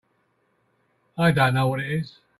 I don't know what it is.